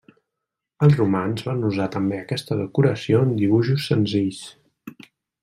Els romans van usar també aquesta decoració amb dibuixos senzills.